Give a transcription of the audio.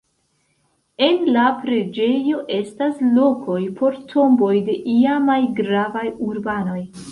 En la preĝejo estas lokoj por tomboj de iamaj gravaj urbanoj.